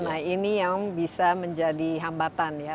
nah ini yang bisa menjadi hambatan ya